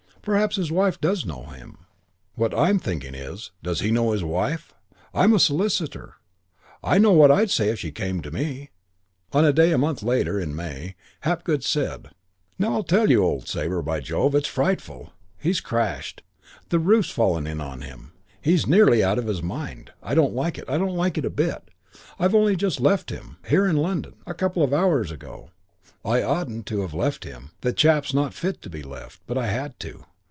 Perhaps his wife does know him. What I'm thinking is, does he know his wife? I'm a solicitor. I know what I'd say if she came to me." CHAPTER III I On a day a month later in May Hapgood said: "Now, I'll tell you. Old Sabre by Jove, it's frightful. He's crashed. The roof's fallen in on him. He's nearly out of his mind. I don't like it. I don't like it a bit. I've only just left him. Here, in London. A couple of hours ago. I oughtn't to have left him. The chap's not fit to be left. But I had to.